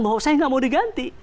bahwa saya nggak mau diganti